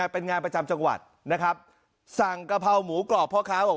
เป็นงานประจำจังหวัฒน์นะครับสั่งกะเพราหมูกรอบเพราะข้าว